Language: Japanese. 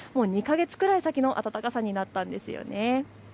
２か月くらい先の暖かさになったんですよね。